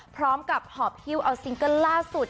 พร้อมกับหอบฮิ้วเอาซิงเกิลล่าสุด